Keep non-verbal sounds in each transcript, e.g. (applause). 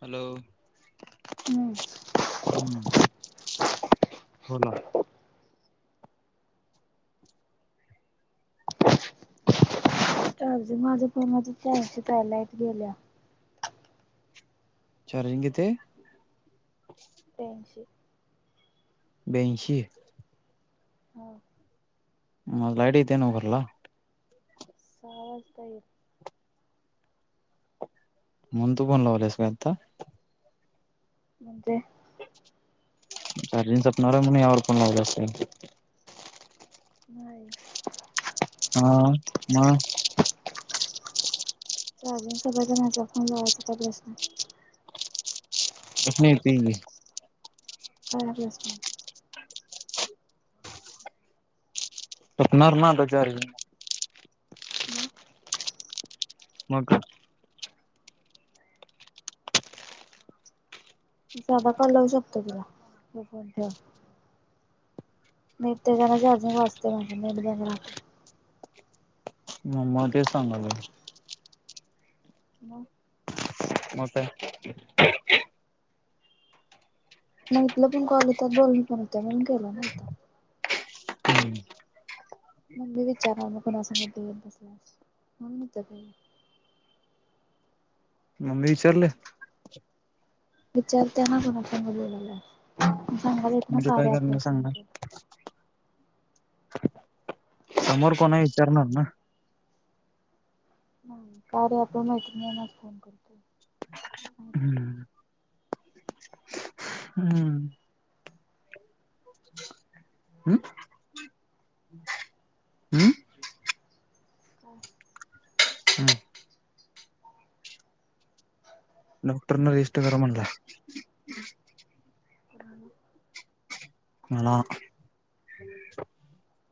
Hello हम्म हम बोला? (unintelligible) चार्जिंग कितीहाय? पंचे ब्यांएशी. हाव म लाईट इत्या नवं घरला? सहज पाइर म्हणून तू फोन लावल्यास व्हय आता. म्हणजे चार्जिंग संपणार म्हणून यावर फोन लावल्या असे. नाही. हा मग चार्जिंग सगळे जणांचा फोन लावायचा का प्रश्न हाय. (unintelligible) काळा ब्रेसलेट. (unintelligible) मग मग क साधा कॉल लावू शकतो तुला. फोन ठेवा. नाही तेजरा चार्जिंग वाचते माझी. नेट बंद राहत. मम्मा ते सगायलोय. म म काय? इथलं पण कॉल येतात. बोलून पण होत म्हणून केलं ना इथ मग मी विचारा म कुणासगत बोलत बसलास म्हणुन इथ (inaudible) मम्मी विचारल. विचारते ना कोणासंगत बोलायला. म्हणजे काय कारण सांगणार. समोर कोण आहे विचारणार ना. नाही कारण आपण मैत्रिणींनाच फोन करतो. माहीत आहे ना. हम्म हम्म हम्म (unintelligible) हम्म डॉक्टरन रेस्ट करा म्हणल. कोणाला. मला.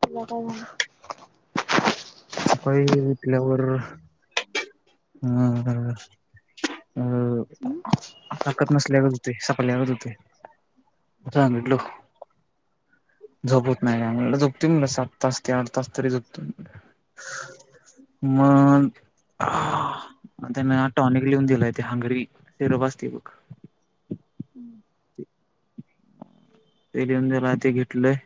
तुला काय झालं. सकाळी उठल्यावर अ अं ताकद नसल्यागत होतय. सपल्यागत होतय. (unintelligible) झोप होत नाही म्हणल झोपतील न सात तास ते आठ तास तरी झोपते मन त्यांन टॉनिक लिहुन दिलाय. ते हांगरी सिरप असते बघ (inaudible) ते दीवुन दिलं ते घेतलंय.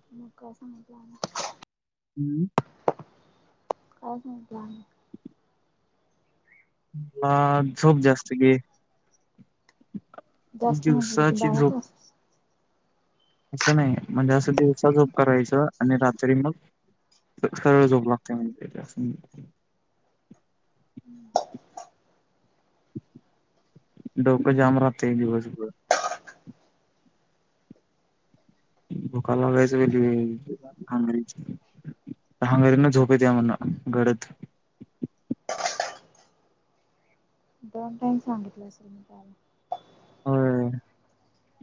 (unintelligible) हम्म काय सांगितलं मग हं झोप जास्त घे. जास्त म्हणजे किती दिवसाची बारा झोप तास असं नाही म्हणजे असं दिवसा झोप करायचं आणि रात्री मग अथळ झोप लागते म्हणे त्यासनी. डोक‌ जाम राहतय दिवसभर. भुका लागायचं वेली हंगरीना झोप येत म्हन गडद. दोन टाईम सांगितलं असेल न घ्यायला. होय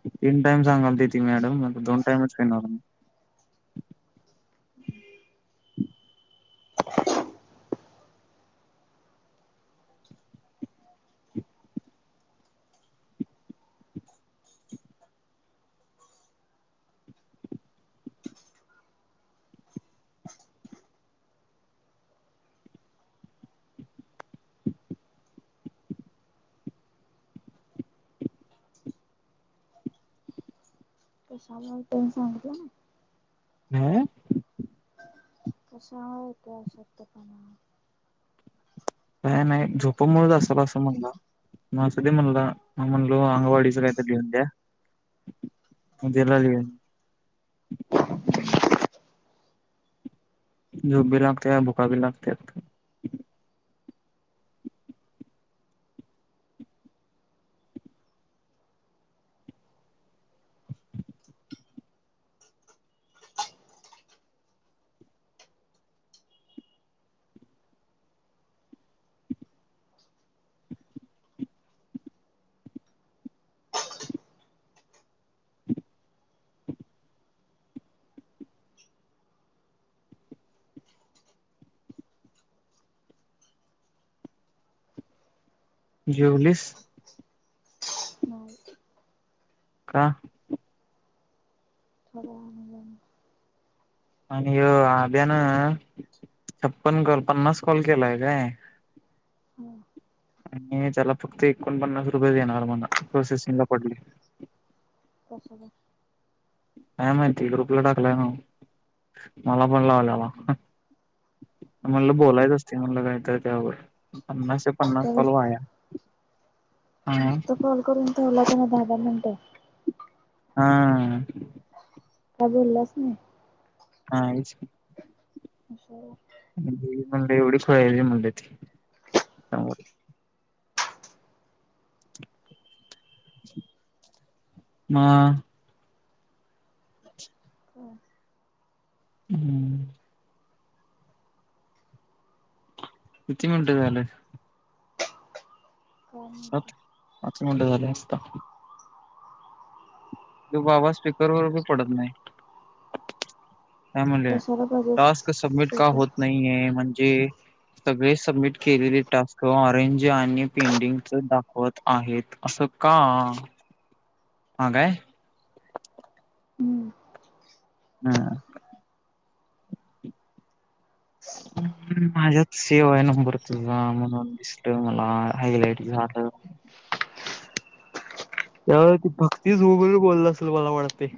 तीन टाइम सांगालतील ती मॅडम म दोन टाईमच करणार आहे मी (inaudible) कशाला पण सांगितलं ना हा कसा येतो अशक्तपणा काय नाही झोपमुळेच अस असं म्हणला माह्यासाठी म्हणल म्हणलो अंग वाढीच काहीतरी लिहून द्या मध्येेला लि (inaudible) झोप बी लागते भुखा बी लागत्यात जेवलीस हम का ला (inaudible) आणि आभ्यान छप्पन कॉल पन्नास कॉल केलाय काय हम् आणि त्याला फक्त एकोण पन्नास रुपये देणार मला प्रोसेसिंग ला पडले. (inaudible) काय माहिती ग्रुपला टाकलाय ना मला णववा मग म्हणलं बोलायच असते म्हणलं काहीत त्यावर पन्नास से पन्नास कॉलो वाया. हा नुसत कॉल करून ठवला त दहा दहा मिनटं हा काय बोललास मी हाच (inaudible) म्हं एवढी खळाली म्हंली त्यामुळे मग काय (inaudible) किती मिनिटे झाले. सात (inaudible) पाच मिनिट झालं असत तो बाबा स्पीकरवर उभे पडत नाही. त्या म्हले कशाला पाहिजे टास्क सबमिट का स्पीकर होत नाहीये म्हणजे सगळे सबमिट केलेले टास्क ऑरेंज आणि पेंडीग दाखवत आहेत अस. का हा काय हम्म हा माझ्यात सेव नंबर तुझा म्हणून दिसल मला हायलाइट झाला. (inaudible) त्यावे त भक्तीच वगैरे बोलला असेल मला वाटते.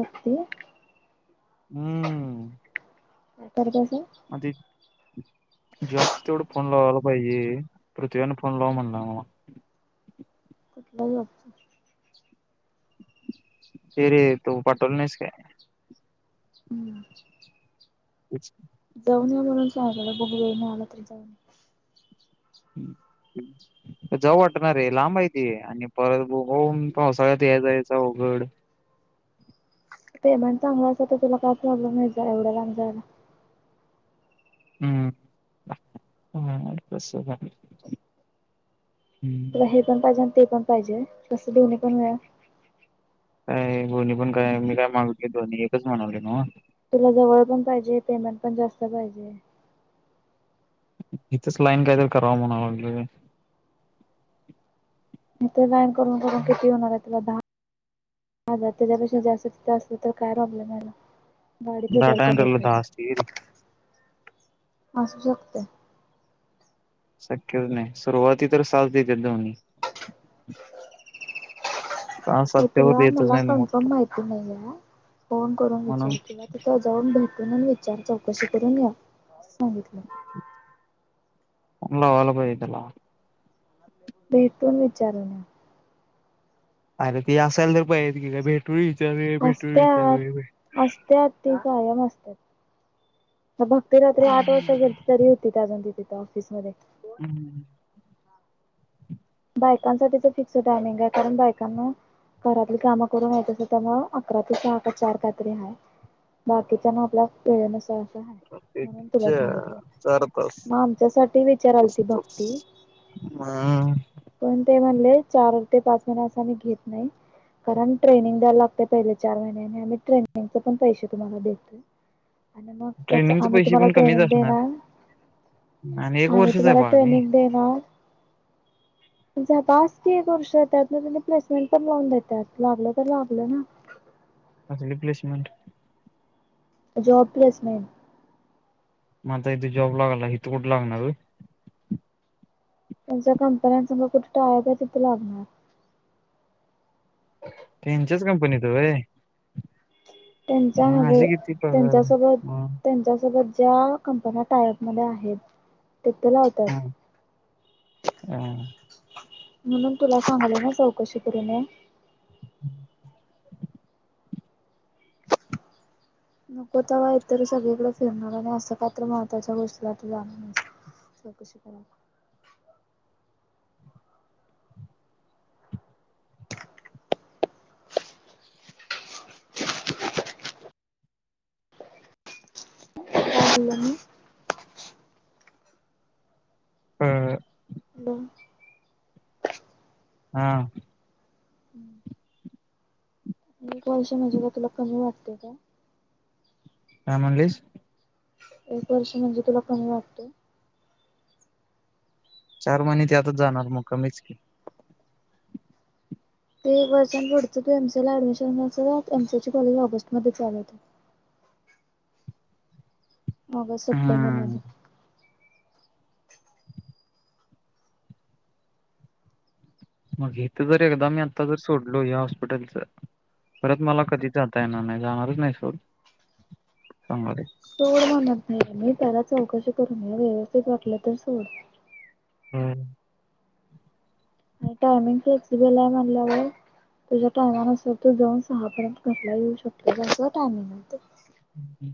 बघते हम्म जरी काय (inaudible) जॉब तेथड फोन लावयला पाहिजे प्रृथ्वीने फोन लावू म्हटलं (inaudible) ते र तू पाटोल नाहीस का. (inaudible) जाऊन म्हणून सांगला बुग घेऊन आला तरी जाऊन. (inaudible) जाऊ वाटणारे लांब यती आणि परत होऊन पावसाळ्यात या जायचं अवघड. पेमेंट चांगला असे तर तुला काय प्रॉब्लेम नाही जा एवढ्या ला जायला. हम् हम तुला हे पण पाहिजे आणि ते पण पाहिजे कस दोन्ही पण मिळेल. काय गोन्नी पण काय मी काय मागितली दोन्ही एकच म्हनवले मग तुला जवळ पण पाहिजे पेमेंट पण जास्त पाहिजे. इथेच लाईन कायतरी कराव म्हणाव लागल. मथ लाईन करून करून किती होणार आहे तुला दहा दहा हजार त्याच्यापेक्षा जास्त तिथं असलं तर काय प्रॉब्लेम झाला. गाडी दर डाटा कमी एंटरला असेल. दहा असते रे असू शकते. शक्यच नाही सुरुवाती तर साथ देत दोन्ही सहा म सातच्यावर तुला येतच मला नाहीत मोस्ट कन्फर्म माहिती नाही आहे. फोन करून म्हणून विचार केला तिथ जाऊन भेटून विचार चौकशी करून घ सांगितलं. हला वाला पतला भेटून विचारू न अरे त असायला तर पाहि येत की काय भेटू असत्या असत्यात ती कायम असत भक्ती रात्री आठ वाजता गेली त तरी होती त अजून त तिथ ऑफिस मध्ये हम्म हम बायकांसाठीच फिक्स टायमिंग आहे कारण बायकांना घरातली कामं करून याेत अस त्यामु अकरा ते सहा का चार कात्री ह बाकीचा ना आपला खेळनस म्हणून तुला विचारूया सांगितलं चार तास मग आमच्यासाठी विचारल ती भक्ती हा पण ते म्हणले चार ते पाच महिने असं म घेत नाही कारण ट्रेनिंग द्यायला लागते पहिले चार महिन्याने आम्ही ट्रेनिंगचे पण पैसे तुम्हाला देत आणि मग त्याच ट्रेनिंगचे आम्ही पैसे तुम्हाला पण कमीच ट्रेनिंग असणार देणार आणि एक आ्ही वर्षच आहे तुम्हाला बाळ मी ट्रेनिंग देणार असती एक वर्ष त्यात ना त्यांनी प्लेसमेंट पण लोन देतात लागलं तर लागलं ना ह अस रिप्लेसमेंट जॉब प्लेसमेंन मग आता इथे जॉब लागाला इथ कुठे लागणार त्यांुमच्या कंपन्यांसग कुठे टाय का आहे तिथं लागणार त्यांच्याच कंपनीत रय त्यांच्या ह त्यांच्या आहे? सोबत मग त्यांच्या सोबत ज्या कंपन्या टायप मध्ये आहेत तिथे लावतात हम् हम म्हणून तुला सांगलं ना चौकशी करण नको तेव्हा इतर सगळीकडे फिरणार नाही असं काात्र महत्त्वाच्या गोष्टीला तर जाण स कश करारा हला हम हम हा हम्म एक वर्ष म्हणजे का तुला कमी वाटते का का मंगश एक वर्ष म्हणजे तुला कोमी वाटत चार महिने ते आतच जाणार मग कमीच की ते वर्षां पुढच तू एमसी ऍडमिशन एमसीलची कॉलेज ऑगस्ट मध्ये चालत. ह. ऑगस्ट सप्टेंबर हम्म मध्ये मग इथ जर एकदा मी आता जर सोडलो या हॉस्पिटलच परत मला कधी जाता येणार नाही जाणारच नाही सोोल चांगाले. सोड म्हणत नाहीे मी त्याला चौकशी करून या व्यवस्थित वाटलं तर सोड. होम. आणि टायमिंग फ्लेक्सिबल आहे म्हणल्यावर तुझ्या टायमानुसार तू दन सहापर्यंत कसला येऊ शकतोस टायमिंग आहे. हम् हम.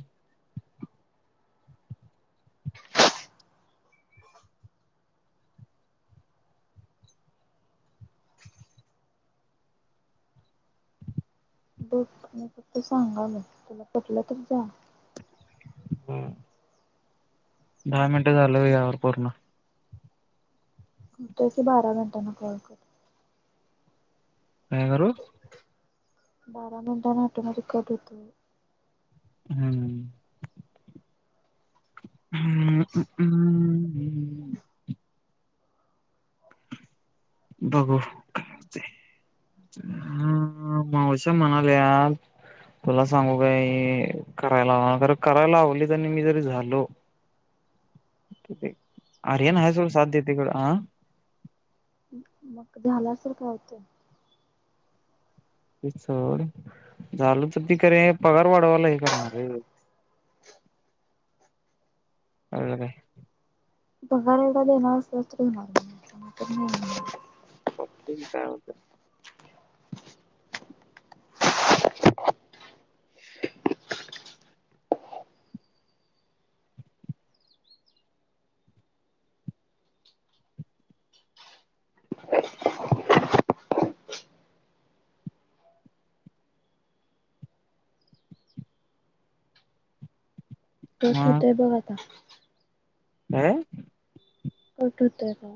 बघ म फक्त सांगा मी तुला कटलं तर जा. हा. दहा मिनटं झालं यावर पूर्ण कतोय की बारा घंटांना कॉल करू. का करू. बारा मिनिटांना आटून रेिकॉर्ड होतो. हम्म. हा हम् हम्. बघू कायते. हा मावस्या म्हणाले या. तुला सांगू का करायला हव ख करायला लावली त मी जरी झालो. (unintelligible) हा अरय ना हय सळ साध्यतेक हह. मग झालासारख होत. ते च झाल तर तिके पगार वाढवायला हे करणार रे. (unintelligible) होे. पगार एढा दे येणार असणार. ते कायत. तो होतो आहे बघा आता हम. कठतरा